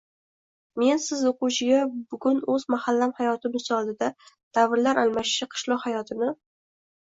Men siz o‘quvchiga bugun o‘z mahallam hayoti misolida davrlar almashishi qishloq hayotini